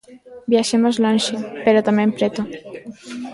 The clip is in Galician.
Viaxemos lonxe, pero tamén preto.